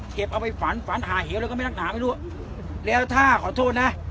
เอาไปฝันฝันหาเหวแล้วก็ไม่นักหนาไม่รู้แล้วถ้าขอโทษนะ